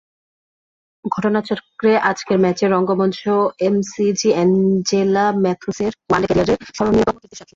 ঘটনাচক্রে আজকের ম্যাচের রঙ্গমঞ্চ এমসিজি অ্যাঞ্জেলা ম্যাথুসের ওয়ানডে ক্যারিয়ারের স্মরণীয়তম কীর্তির সাক্ষী।